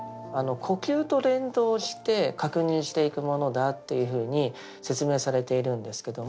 呼吸と連動して確認していくものだというふうに説明されているんですけども。